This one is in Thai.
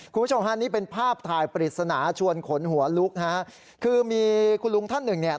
คุณผู้ชมฮะนี่เป็นภาพถ่ายปริศนาชวนขนหัวลุกฮะคือมีคุณลุงท่านหนึ่งเนี่ย